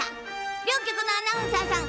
両局のアナウンサーさん